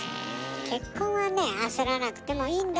結婚はね焦らなくてもいいんだけど。